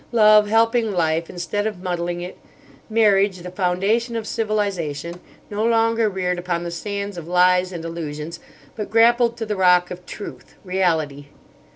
Love helping life instead of muddling it. Marriage, the foundation of civilisation, no longer reared upon the sands of lies and illusions, but grappled to the rock of truth—reality.